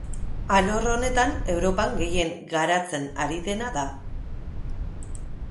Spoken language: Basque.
Alor honetan Europan gehien garatzen ari dena da.